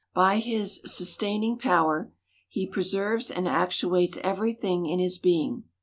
By his sustaining power, he preserves and actuates every thing in his being.